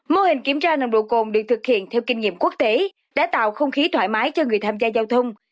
mô hình kiểm tra nồng độ cồn được thực hiện theo kinh nghiệm quốc tế đã tạo không khí thoải mái cho người tham gia giao thông